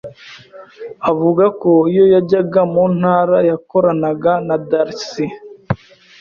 avuga ko iyo yajyaga mu ntara yakoranaga na Darcy